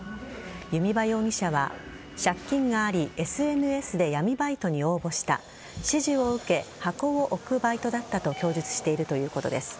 弓場容疑者は借金がありＳＮＳで闇バイトに応募した指示を受け箱を置くバイトだったと供述しているということです。